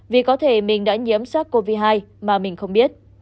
vì có thể mình đã nhiễm sát covid một mươi chín mà mình không biết